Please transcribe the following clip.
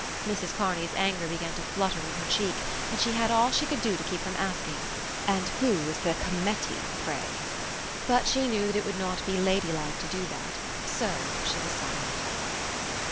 Mrs Kearney's anger began to flutter in her cheek and she had all she could do to keep from asking: "And who is the Cometty pray?" But she knew that it would not be ladylike to do that: so she was silent.